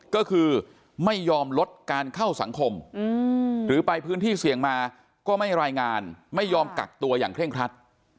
ก็คือไม่ยอมลดการเข้าสังคมหรือไปพื้นที่เสี่ยงมาก็ไม่รายงานไม่ยอมกักตัวอย่างเคร่งครัด